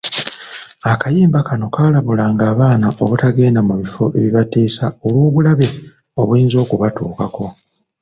Akayimba kano kaalabulanga abaana obutagenda mu bifo ebibatiisa olw’obulabe obuyinza okubatuukako.